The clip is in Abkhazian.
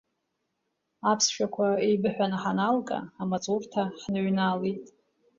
Аԥсшәақәа еибыҳәаны ҳаналга, амаҵурҭа ҳныҩналеит.